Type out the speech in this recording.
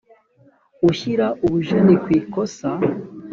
ushyira ubujeni ku ikosa